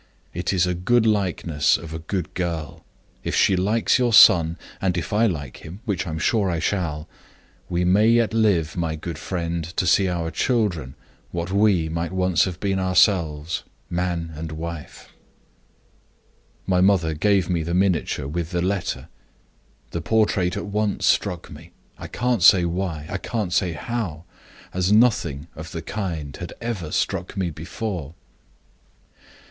It is a good likeness of a good girl. If she likes your son and if I like him, which I am sure I shall we may yet live, my good friend, to see our children what we might once have been ourselves man and wife.' My mother gave me the miniature with the letter. The portrait at once struck me I can't say why, I can't say how as nothing of the kind had ever struck me before.